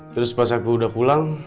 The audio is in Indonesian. terus pas aku udah pulang